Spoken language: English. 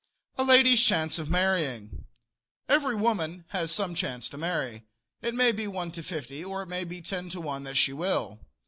A LADY'S CHANCE OF MARRYING. Every woman has some chance to marry. It may be one to fifty, or it may be ten to one that she will.